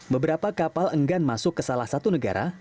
beberapa kapal enggan masuk ke salah satu negara